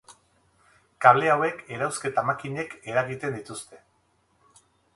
Kable hauek erauzketa-makinek eragiten dituzte.